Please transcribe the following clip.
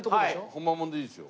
ホンマもんでいいですよ。